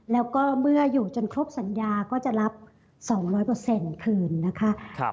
แล้วก็เมื่ออยู่จนครบสัญญาก็จะรับ๒๐๐คืนนะคะ